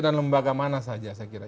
dan lembaga mana saja saya kira